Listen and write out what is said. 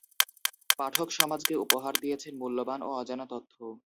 পাঠক সমাজকে উপহার দিয়েছেন মূল্যবান ও অজানা তথ্য।